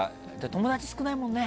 友達少ないもんね。